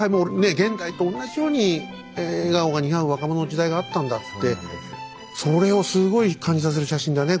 現代と同じように笑顔が似合う若者の時代があったんだっつってそれをすごい感じさせる写真だね